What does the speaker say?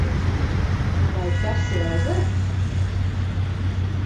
Vai tas ir aizliegts?